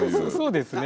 そうですね。